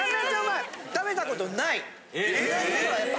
食べたことない。